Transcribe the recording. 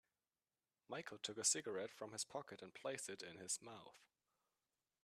Michael took a cigarette from his pocket and placed it in his mouth.